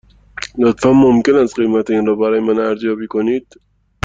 لطفاً ممکن است قیمت این را برای من ارزیابی کنید؟